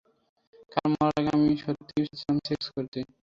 কারণ, মরার আগে আমি সত্যিই চাচ্ছিলাম সেক্স করতে!